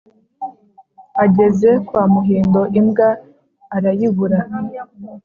Ageze kwa Muhindo imbwa arayibura